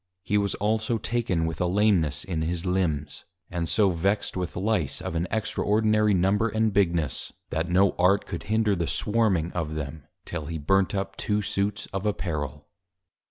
He was also taken with a Lameness in his Limbs; and so vexed with Lice of an extraordinary Number and Bigness, that no Art could hinder the Swarming of them, till he burnt up two Suits of Apparel.